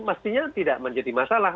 mestinya tidak menjadi masalah